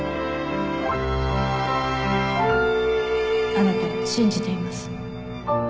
あなたを信じています